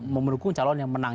mau mendukung calon yang menang